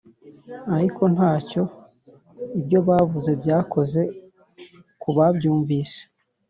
ariko ntacyo ibyo bavuze byakoze ku babyumvise